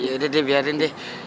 ya udah deh biarin deh